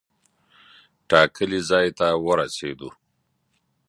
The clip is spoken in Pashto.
ټاکلي ځای ته ورسېدو.